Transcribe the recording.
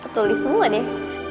petuli semua deh